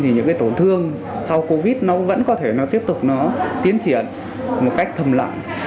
những tổn thương sau covid nó vẫn có thể nó tiếp tục nó tiến triển một cách thầm lặng